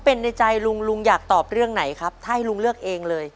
เป็นในใจลุงลุงอยากตอบเรื่องไหนครับถ้าให้ลุงเลือกเองเลย